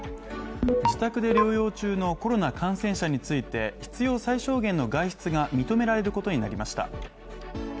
自宅で療養中のコロナ感染者について必要最小限の外出が認められることになりました。